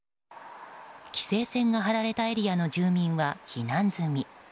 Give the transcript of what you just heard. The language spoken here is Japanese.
規制線が張られたエリアの住民は避難済み。